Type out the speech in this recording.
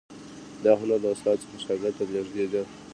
دا هنر له استاد څخه شاګرد ته لیږدید.